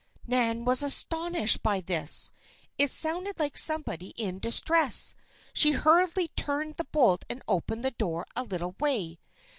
Nan was astonished by this. It sounded like somebody in distress. She hurriedly turned the bolt and opened the door a little way.